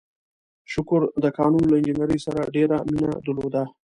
شکور د کانونو له انجنیرۍ سره ډېره مینه درلوده.